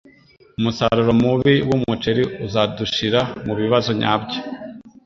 Umusaruro mubi wumuceri uzadushira mubibazo nyabyo.